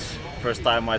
pertama kali saya mencoba